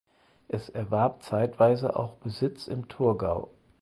Es erwarb zeitweise auch Besitz im Thurgau.